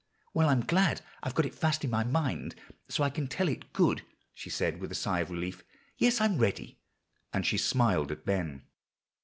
"Well, I'm glad I've got it fast in my mind so I can tell it good," she said with a sigh of relief. "Yes, I'm ready;" and she smiled at Ben.